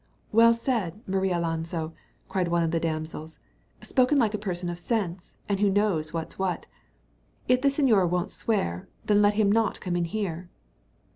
"Well said, Marialonso," cried one of the damsels; "spoken like a person of sense, and who knows what's what. If the señor won't swear, then let him not come in here."